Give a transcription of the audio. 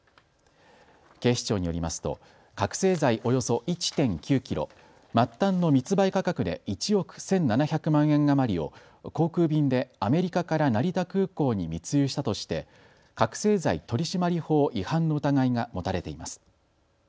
警視庁によりますと覚醒剤およそ１．９キロ、末端の密売価格で１億１７００万円余りを航空便でアメリカから成田空港に密輸したとして覚醒剤取締法違反の疑いが持たれています。